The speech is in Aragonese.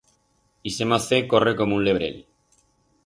Ixe mocet corre como un lebrel.